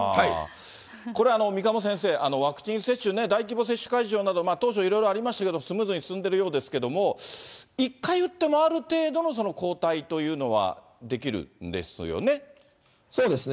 これ三鴨先生、ワクチン接種ね、大規模接種会場など、当初いろいろありましたけど、スムーズに進んでるようですけれども、１回打っても、ある程度の抗体というのは出来るんですよね？